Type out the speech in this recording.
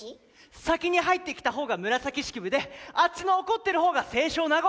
先に入ってきたほうが紫式部であっちの怒ってるほうが清少納言。